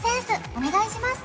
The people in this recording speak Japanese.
お願いします